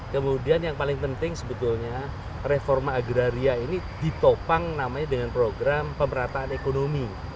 kemudian yang paling penting sebetulnya reforma agraria ini ditopang namanya dengan program pemerataan ekonomi